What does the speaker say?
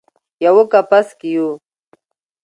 یوه کپس کې یو